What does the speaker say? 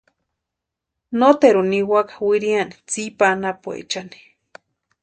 Noteruni niwaka wiriani tsipa anapuechani.